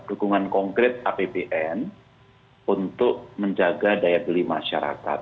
dukungan konkret apbn untuk menjaga daya beli masyarakat